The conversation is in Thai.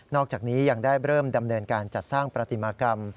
อกจากนี้ยังได้เริ่มดำเนินการจัดสร้างประติมากรรม